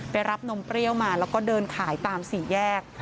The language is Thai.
รับนมเปรี้ยวมาแล้วก็เดินขายตามสี่แยก